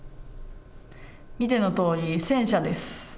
見てのとおり、洗車です。